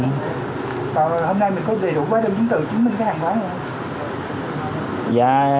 còn hôm nay mình có gì để quán đơn chứng từ chứng minh cái hàng quán vậy